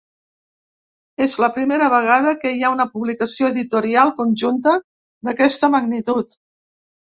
És la primera vegada que hi ha una publicació editorial conjunta d’aquesta magnitud.